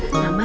nama tuh ya